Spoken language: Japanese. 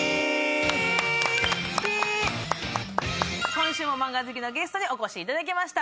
今週もマンガ好きのゲストにお越しいただきました。